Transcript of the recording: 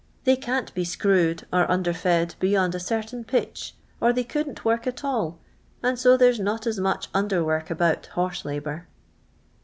They can't be I screwed, or under fed, beyond a certain pitch, or they couldn't work at all, and so there 's not as I much under work about horse labour."